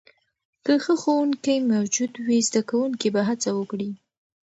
که ښه ښوونکې موجود وي، زده کوونکي به هڅه وکړي.